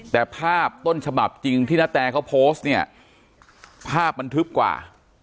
แต่ภาพต้นฉบับจริงที่นาแตเขาโพสต์เนี่ยภาพมันทึบกว่า